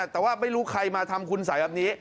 แต่ว่าไม่รู้ใครมาทำคุณสัยแบบนี้